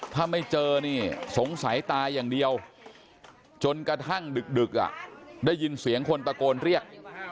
ถ้าไม่เจอนี่สงสัยตายอย่างเดียวจนกระทั่งดึกได้ยินเสียงคนตะโกนเรียก